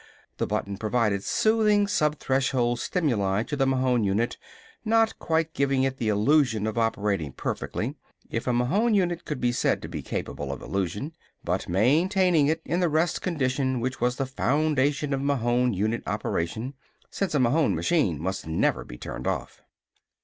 The button provided soothing sub threshold stimuli to the Mahon unit, not quite giving it the illusion of operating perfectly if a Mahon unit could be said to be capable of illusion but maintaining it in the rest condition which was the foundation of Mahon unit operation, since a Mahon machine must never be turned off.